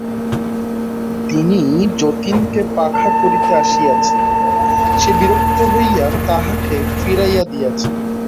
তিনি যতীনকে পাখা করিতে আসিয়াছেন, সে বিরক্ত হইয়া তাঁহাকে ফিরাইয়া দিয়াছে।